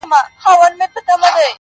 o تر رمې ئې سپي ډېر دي٫